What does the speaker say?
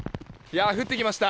降ってきました。